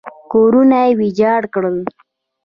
کورونه یې ویجاړ کړل.